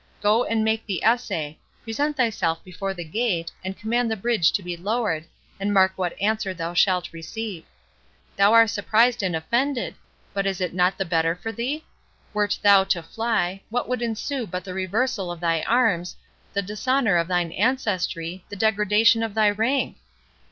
Go and make the essay—present thyself before the gate, and command the bridge to be lowered, and mark what answer thou shalt receive.—Thou are surprised and offended; but is it not the better for thee? Wert thou to fly, what would ensue but the reversal of thy arms, the dishonour of thine ancestry, the degradation of thy rank?